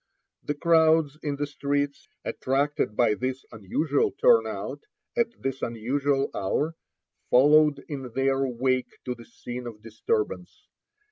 The crowds in the streets, attracted by this unusual turnout at this unusual hour, followed in their wake to the scene of disturbance.